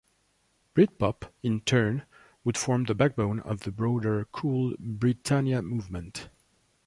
Britpop in turn would form the backbone of the broader Cool Britannia movement.